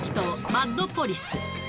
マッドポリス。